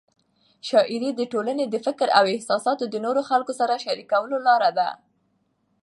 شاعري د ټولنې د فکر او احساسات د نورو خلکو سره شریکولو لار ده.